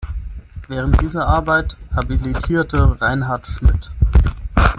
Während dieser Arbeit habilitierte Reinhard Schmidt.